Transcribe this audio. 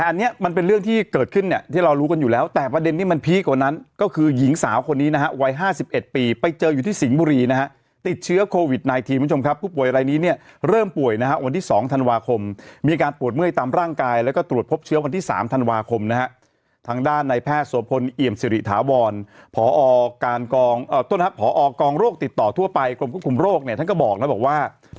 เนี้ยมันเป็นเรื่องที่เกิดขึ้นเนี้ยที่เรารู้กันอยู่แล้วแต่ประเด็นนี้มันพีคกว่านั้นก็คือหญิงสาวคนนี้นะฮะวัยห้าสิบเอ็ดปีไปเจออยู่ที่สิงห์บุรีนะฮะติดเชื้อโควิดไนทีมันชมครับผู้ป่วยอะไรนี้เนี้ยเริ่มป่วยนะฮะวันที่สองธันวาคมมีอาการปวดเมื่อยตามร่างกายแล้วก็ตรวจพบเชื้อวันที่สามธั